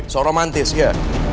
soal romantis ya